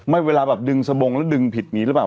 เวลาแบบดึงสบงแล้วดึงผิดอย่างนี้หรือเปล่า